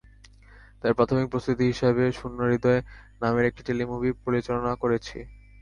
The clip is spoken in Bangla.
তাই প্রাথমিক প্রস্তুতি হিসেবে শূন্য হূদয় নামের একটি টেলিমুভি পরিচালনা করেছি।